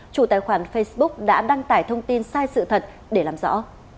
chủ tài khoản facebook đã đăng tải thông tin sai sự thật để làm rõ